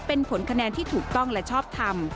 เป็นผลคะแนนที่ถูกต้องและชอบทำ